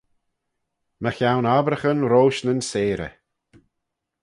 Mychione obbraghyn roish nyn seyrey.